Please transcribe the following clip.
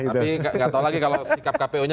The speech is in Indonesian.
tapi gak tau lagi kalau sikap kpu nya